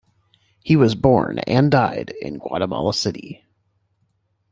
He was born and died in Guatemala City.